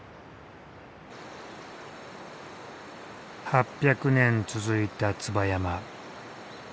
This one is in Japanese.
８００年続いた椿山。